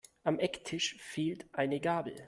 Am Ecktisch fehlt eine Gabel.